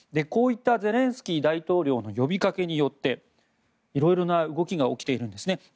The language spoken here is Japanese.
こういったゼレンスキー大統領の呼びかけによって色々な動きが起きているんですね。